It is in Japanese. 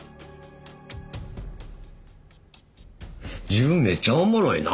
自分めっちゃおもろいな。